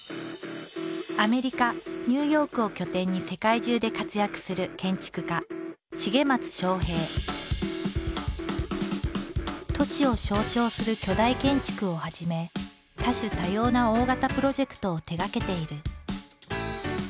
アメリカ・ニューヨークを拠点に世界中で活躍する都市を象徴する巨大建築をはじめ多種多様な大型プロジェクトを手がけている。